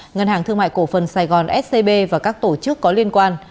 ngân hàng thương mại cổ phần sài gòn scb và các tổ chức có liên quan